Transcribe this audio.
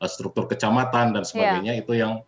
struktur kecamatan dan sebagainya itu yang